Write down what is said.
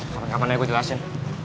kalau gak mana gue jelasin